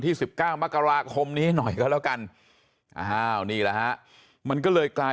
สิบเก้ามกราคมนี้หน่อยก็แล้วกันอ้าวนี่แหละฮะมันก็เลยกลาย